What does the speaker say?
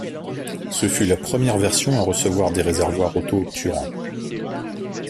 Ce fut la première version à recevoir des réservoirs auto-obturants.